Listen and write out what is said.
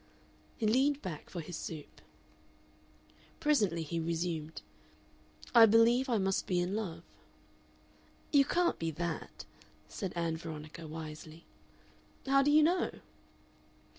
He leaned back for his soup. Presently he resumed: "I believe I must be in love." "You can't be that," said Ann Veronica, wisely. "How do you know?"